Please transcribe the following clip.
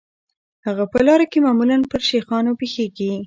هغه په لاره کې معمولاً پر شیخانو پیښیږي.